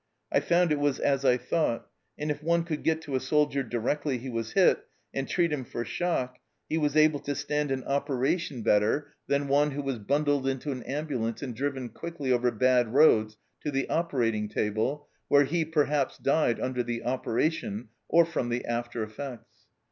I found it was as 1 thought, and if one could get to a soldier directly he was hit, and treat him for shock, he was able to stand an operation better 34 266 THE CELLAR HOUSE OF PERVYSE than one who was bundled into an ambulance and driven quickly over bad roads to the operating table, where he, perhaps, died under the operation or from the after effects.